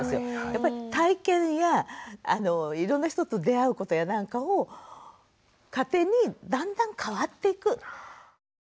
やっぱり体験やいろんな人と出会うことやなんかを糧にだんだん変わっていく。